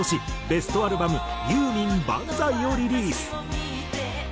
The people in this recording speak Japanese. ベストアルバム『ユーミン万歳！』をリリース。